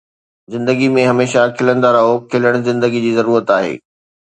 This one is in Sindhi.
زندگي ۾ هميشه کلندا رهو، کلڻ زندگيءَ جي ضرورت آهي